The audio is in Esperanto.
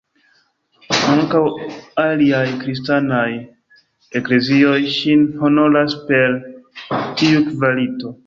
Ankaŭ aliaj kristanaj eklezioj ŝin honoras per tiu kvalito.